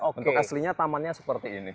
bentuk aslinya tamannya seperti ini